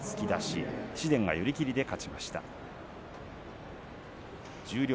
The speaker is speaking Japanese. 紫雷は寄り切りで勝ちました。